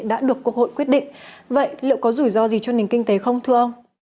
xã hội quyết định vậy liệu có rủi ro gì cho nền kinh tế không thưa ông